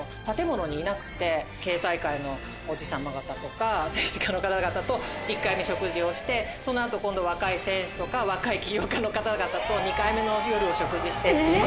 経済界のおじ様方とか政治家の方々と１回目食事をしてその後今度若い選手とか若い起業家の方々と２回目のお食事して。